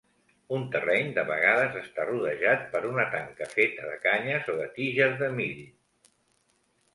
Un terreny de vegades està rodejat per una tanca feta de canyes o de tiges de mill.